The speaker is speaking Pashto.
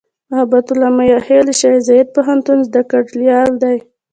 محبت الله "میاخېل" د شیخزاید پوهنتون زدهکړیال دی.